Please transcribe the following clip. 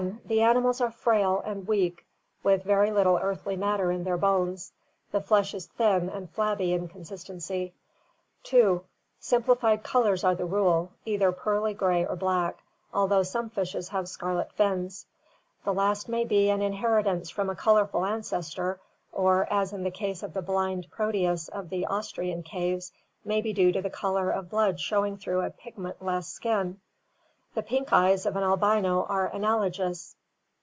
The animals are frail and weaky with very little earthy matter in their bones. The flesh is thin and flabby in consistency (see, however, page 390).. 2. Simplified colors are the rule, either pearly gray or black, although some fishes have scarlet fins. The last may be an in heritance from a colorful ancestor, or, as in the case of the blind Proteus of the Austrian caves, may be due to the color of blood showing through a pigment less skin. The pink eyes of an albino are analogous.